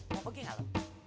mau pergi gak lo